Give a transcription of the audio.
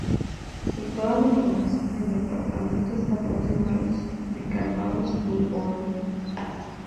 Situada en el oeste del departamento, está próxima a los de Calvados y Orne.